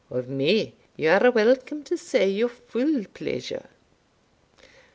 Of me you are welcome to say your full pleasure."